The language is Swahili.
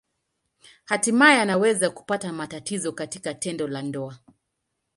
Hatimaye anaweza kupata matatizo katika tendo la ndoa.